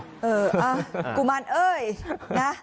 เออกุมารเอ้ยนะ